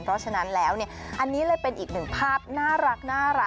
เพราะฉะนั้นแล้วเนี่ยอันนี้เลยเป็นอีกหนึ่งภาพน่ารัก